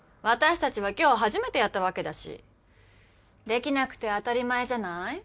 私たちは今日初めてやったわけだしできなくて当たり前じゃない？